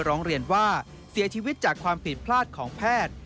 ร้องเรียนว่าเสียชีวิตจากความผิดพลาดของแพทย์